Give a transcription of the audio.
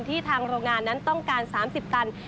ทางโรงงานนั้นต้องการ๓๐ตัน